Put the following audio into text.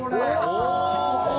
お！